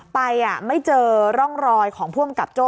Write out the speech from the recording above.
ไปไม่เจอร่องรอยของผู้อำกับโจ้